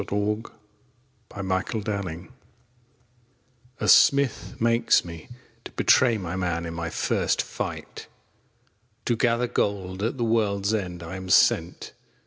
THE RUNES ON WELAND'S SWORD A Smith makes me To betray my Man In my first fight. To gather Gold At the world's end I am sent.